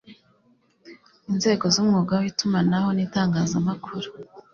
inzego z'umwuga w'itumanaho n'itangazamakuru